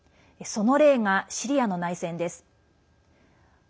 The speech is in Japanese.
その例が、シリアの内戦です。